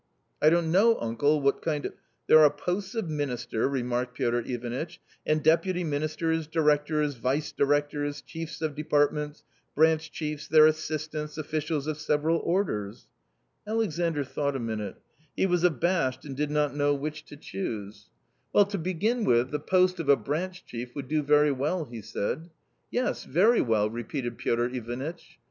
I don't know, uncle, what kind of "" There are posts of minister," remarked Piotr Ivanitch, "and deputy ministers, directors, vice directors, chiefs of departments, branch chiefs, their assistants, officials of several orders." Alexandr thought a minute. He was abashed and did not know which to choose. \S A COMMON STORY 55 " Well, to begin with the post of a branch chief would do very well," he said. " Yes, very well !" repeated Piotr Ivanitch.